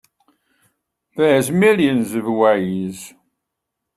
There's millions of ways.